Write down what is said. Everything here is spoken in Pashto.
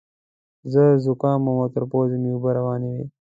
زه ذکام وم او تر پوزې مې اوبه روانې وې.